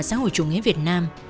xã hội chủ nghĩa việt nam